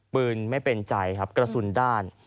ปืนไม่เป็นใจครับกระสุนด้าน